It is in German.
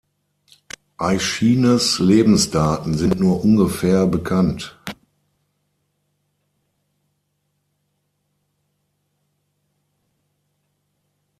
Aischines' Lebensdaten sind nur ungefähr bekannt.